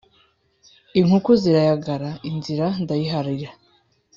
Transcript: Inkuku zirayagara, inzira ndayiharira,